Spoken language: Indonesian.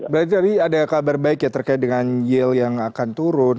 berarti tadi ada kabar baik ya terkait dengan yield yang akan turun